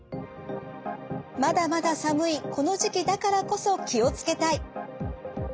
まだまだ寒いこの時期だからこそ気を付けたい。